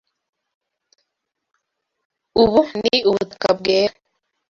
Ubu ni ubutaka bwera.